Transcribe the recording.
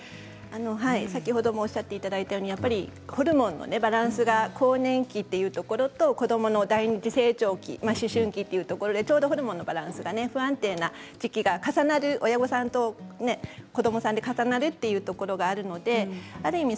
先ほどもおっしゃっていただいたようにやっぱりホルモンのバランスが更年期というところと子どもの第二次性徴期思春期というところでちょうどホルモンのバランスが不安定な時期が重なる親御さんと子どもさんで重なるというところがあるのである意味